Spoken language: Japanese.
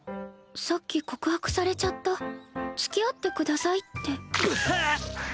さっき告白されちゃった付き合ってくださいってブヘッ！